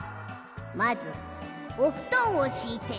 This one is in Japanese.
まずおふとんをしいて。